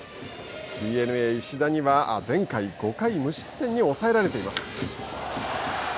ＤｅＮＡ石田には前回５回無失点に抑えられています。